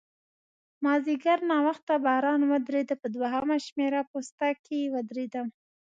مازیګر ناوخته باران ودرېد، په دوهمه شمېره پوسته کې ودرېدم.